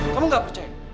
kamu gak percaya